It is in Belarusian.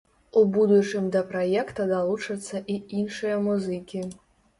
У будучым да праекта далучацца і іншыя музыкі.